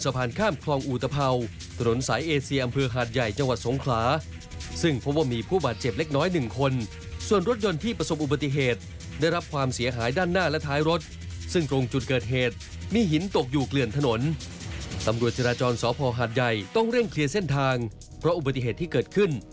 เพราะอุบัติเหตุที่เกิดขึ้น